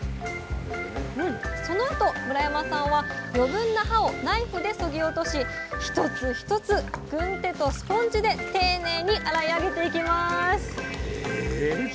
そのあと村山さんは余分な葉をナイフでそぎ落とし一つ一つ軍手とスポンジで丁寧に洗い上げていきます